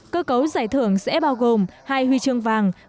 cơ cấu giải thưởng sẽ bao gồm hai huy chương vàng